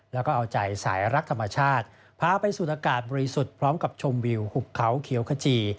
แล้วก็เอาใจสายรักธรรมชาติพาไปสูดอากาศบริสุทธิ์พร้อมกับชมวิวหุบเขาเขียวขจี